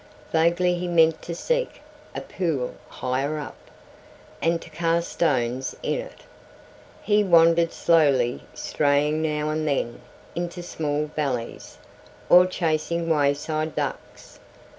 Vaguely he meant to seek a pool higher up, and to cast stones in it. He wandered slowly straying now and then into small valleys, or chasing wayside ducks.